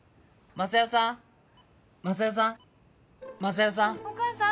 昌代さん昌代さん。